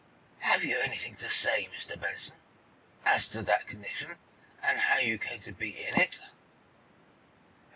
"Have you anything to say, Mr. Benson, as to that condition, and how you came to be in it?"